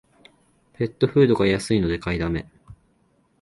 ペットフードが安いので買いだめ